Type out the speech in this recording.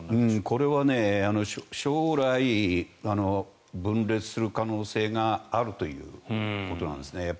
これは将来分裂する可能性があるということなんですね。